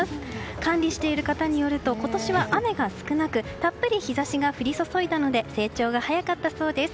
管理している方によると今年は雨が少なくたっぷり日差しが降り注いだので成長が早かったそうです。